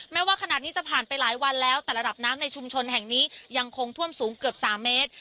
แม้ว่าขณะนี้จะผ่านไปหลายวันแล้วแต่ระดับน้ำในชุมชนแห่งนี้ยังคงท่วมสูงเกือบ๓เมตร